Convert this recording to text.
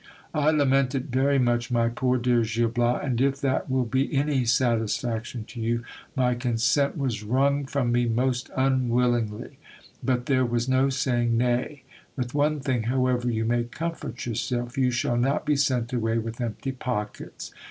I lament it very much, my poor dear Gil Bias, and if that will be any satisfaction to you, my consent was wrung from me most unwillingly ; but there was no saying nay. With one thing, however, you may comfort yourself, you shall not be sent away with empty pockets.